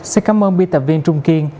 xin cảm ơn biên tập viên trung kiên